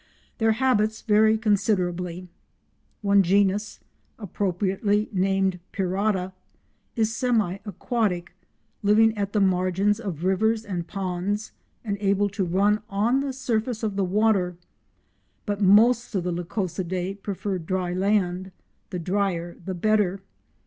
Their habits vary considerably. One genus, appropriately named Pirata, is semi aquatic, living at the margins of rivers and ponds, and able to run on the surface of the water, but most of the Lycosidae prefer dry land—the dryer the better.